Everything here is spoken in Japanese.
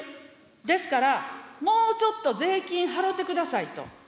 ですから、もうちょっと税金はろうてくださいと。